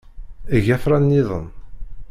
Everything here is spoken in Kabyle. Eg afran-nniḍen.